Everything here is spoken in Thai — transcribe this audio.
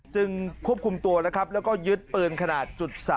ควบคุมตัวนะครับแล้วก็ยึดปืนขนาด๓